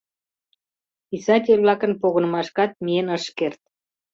Писатель-влакын погынымашкат миен ыш керт.